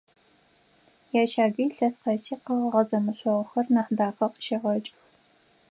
Ящагуи илъэс къэси къэгъэгъэ зэмышъогъухэр Нахьдахэ къыщегъэкӏых.